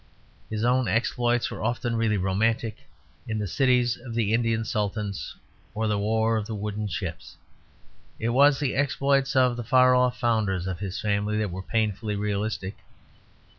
His own exploits were often really romantic, in the cities of the Indian sultans or the war of the wooden ships; it was the exploits of the far off founders of his family that were painfully realistic.